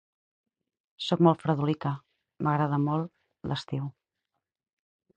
Sóc molt fredolica. M'agrada molt l'estiu.